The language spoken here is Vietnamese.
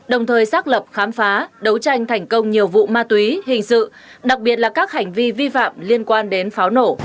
đồng thời xác lập khám phá đấu tranh thành công nhiều vụ ma túy hình sự đặc biệt là các hành vi vi phạm liên quan đến pháo nổ